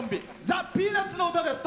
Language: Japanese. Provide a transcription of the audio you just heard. ザ・ピーナッツの歌です。